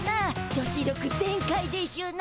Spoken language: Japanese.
女子力全開でしゅな。